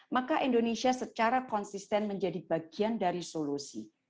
maka indonesia secara konsisten menjadi bagian dari solusi